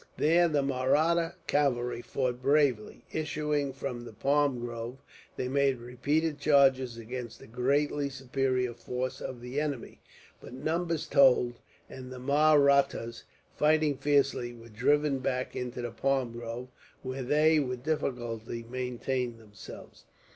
There the Mahratta cavalry fought bravely. Issuing from the palm grove, they made repeated charges against the greatly superior forces of the enemy. But numbers told, and the Mahrattas, fighting fiercely, were driven back into the palm grove; where they, with difficulty, maintained themselves.